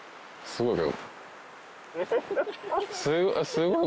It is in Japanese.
すごい。